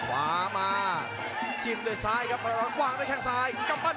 ขวามาจิมด้วยซ้ายครับพลาดอลเล็กกว้างด้วยแข่งซ้าย